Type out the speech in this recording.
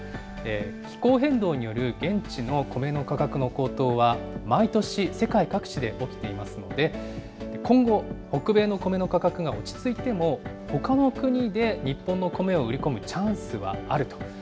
気候変動による現地のコメの価格の高騰は、毎年、世界各地で起きていますので、今後、北米のコメの価格が落ち着いても、ほかの国で日本のコメを売り込むチャンスはあると。